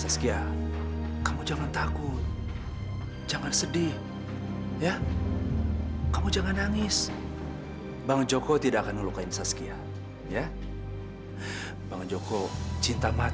sampai jumpa di video selanjutnya